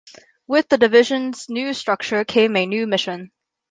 With the division's new structure came a new mission.